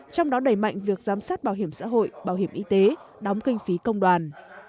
trong đó đẩy mạnh việc giám sát bảo hiểm xã hội bảo hiểm y tế đóng kinh phí công đoàn